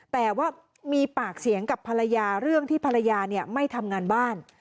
แต่ว่ามีปากเสียงกับภรรยาเรื่องที่ภรรยาไม่ทำงานบ้าน